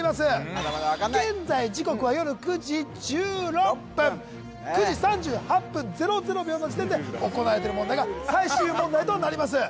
まだまだ分かんない現在時刻は夜９時１６分９時３８分００秒の時点で行われてる問題が最終問題となります